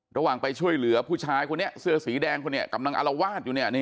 ระหว่างไปช่วยเหลือผู้ชายคนนี้เสื้อสีแดงคนนี้กำลังอารวาสอยู่เนี่ย